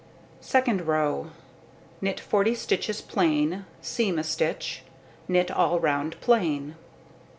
Second row: knit 40 stitches plain, seam a stitch, knit all round plain.